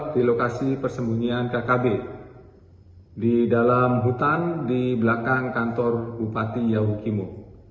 di dalam hutan di belakang kantor bupati yahukimo